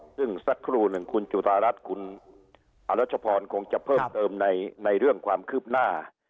ซึ่งสักครู่หนึ่งคุณจุธารัฐคุณอรัชพรคงจะเพิ่มเติมในเรื่องความคืบหน้า